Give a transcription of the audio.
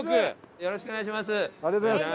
よろしくお願いします。